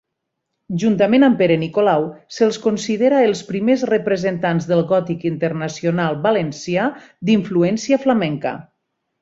Juntament amb Pere Nicolau, se'ls considera els primers representants del gòtic internacional valencià d'influència flamenca.